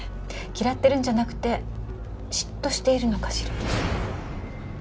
嫌ってるんじゃなくて嫉妬しているのかしら？